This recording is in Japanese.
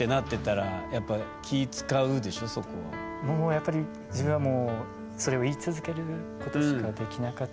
やっぱり自分はもうそれを言い続けることしかできなかったですね。